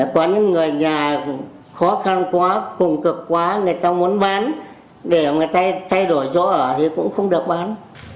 có những người nhà khó khăn quá cùng cực quá người ta muốn bán để người ta thay đổi chỗ ở thì cũng không được bán